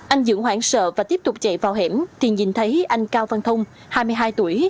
anh dưỡng hoảng sợ và tiếp tục chạy vào hẻm thì nhìn thấy anh cao văn thông hai mươi hai tuổi